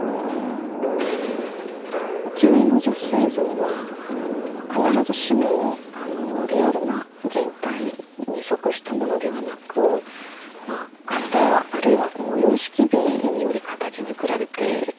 浮世絵の女性像は必ずしもリアルな人体に則したものではなく型あるいは様式美により形づくられています。